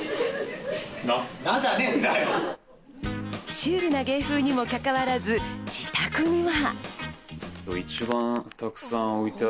シュールな芸風にもかかわらず、自宅には。